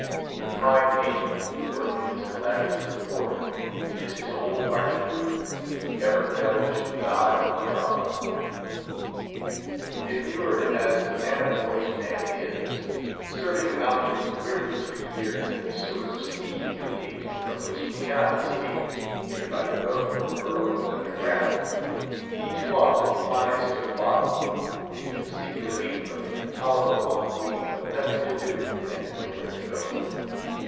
The prime agent in working his calamities in port is his old arch enemy, the ever devilish god of grog. Immured as the man of war's man is, serving out his weary three years in a sort of sea Newgate, from which he cannot escape, either by the roof or burrowing underground, he too often flies to the bottle to seek relief from the intolerable ennui of nothing to do, and nowhere to go.